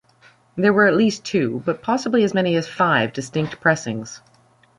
There were at least two, but possibly as many as five, distinct pressings.